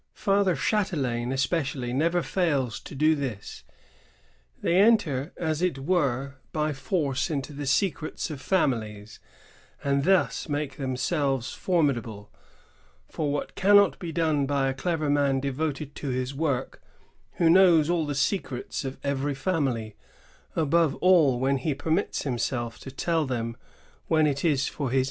Father Ch&telain especially never fails to do this. They enter as it were by force into the secrets of families, and thus make themselves for midable ; for what cannot be done by a clever man devoted to his work, who knows all the secrets of every famUy; above all, when he permits himself to tell them when it is for his interest to do so